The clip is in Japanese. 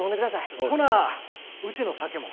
ほなうちの酒も。